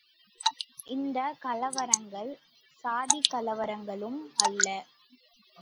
அந்தக் கலவரங்கள் சாதிக்கலவரங்களும் அல்ல!